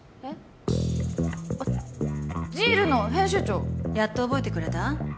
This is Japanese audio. あっ「ＺＥＡＬ」の編集長やっと覚えてくれた？